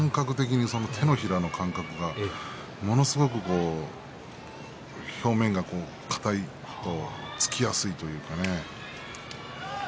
手のひらの感覚がものすごく表面が硬いと突きやすいといいますかね。